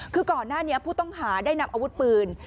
คือก่อนหน้านี้ผู้ต้องหาได้นำอาวุธปืน